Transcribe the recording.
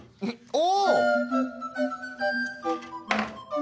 お！